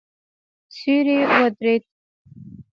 سیوری ودرېد.